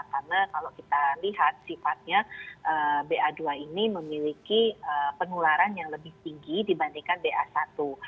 karena kalau kita lihat sifatnya ba dua ini memiliki penularan yang lebih tinggi dibandingkan ba satu